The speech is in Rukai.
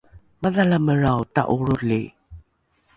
madhalamelrao ta’olroli